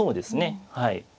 はい。